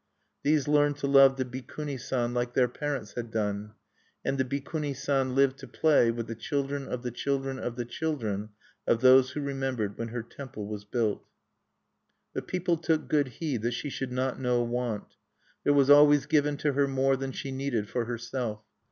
These learned to love the Bikuni San like their parents had done. And the Bikuni San lived to play with the children of the children of the children of those who remembered when her temple was built. The people took good heed that she should not know want. There was always given to her more than she needed for herself.